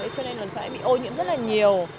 cho nên nó sẽ bị ô nhiễm rất là nhiều